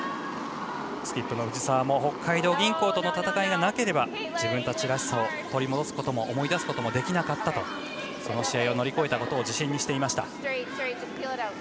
スキップの藤澤も北海道銀行との戦いがなければ自分たちらしさを取り戻すことも思い出すこともできなかったとその試合を乗り越えたことを自信にしていました。